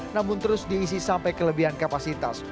namun terus diisi sampai kelebihan kapasitas